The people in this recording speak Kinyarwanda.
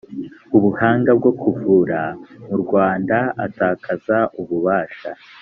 buhanga bwo kuvura mu rwanda atakaza ububasha